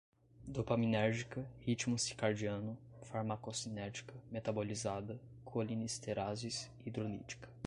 dopaminérgica, ritmo circadiano, farmacocinética, metabolizada, colinesterases, hidrolítica